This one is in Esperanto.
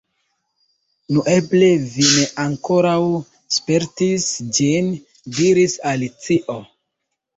"Nu, eble vi ne ankoraŭ spertis ĝin," diris Alicio.